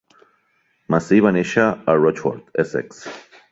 Macey va néixer a Rochford, Essex.